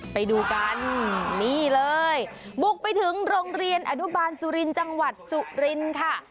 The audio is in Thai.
ไปดูกันนี่เลยบุกไปถึงโรงเรียนอนุบาลสุรินทร์จังหวัดสุรินค่ะ